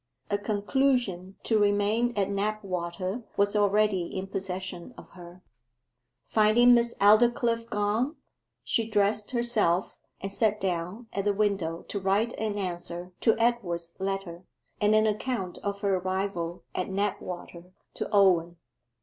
A conclusion to remain at Knapwater was already in possession of her. Finding Miss Aldclyffe gone, she dressed herself and sat down at the window to write an answer to Edward's letter, and an account of her arrival at Knapwater to Owen.